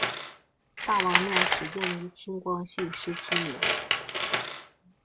大王庙始建于清光绪十七年。